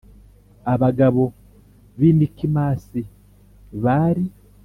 abagabo b i Mikimasi bari